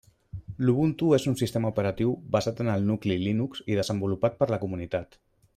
L'Ubuntu és un sistema operatiu basat en el nucli Linux i desenvolupat per la comunitat.